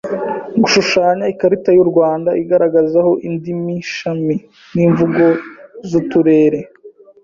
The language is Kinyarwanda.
Gushushanya ikarita y’u Rwanda igaragaza aho indimi shami n’imvugo z’uturere